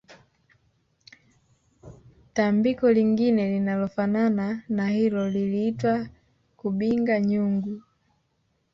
Tambiko lingine linalofanana na hilo liliitwa kubigha nyungu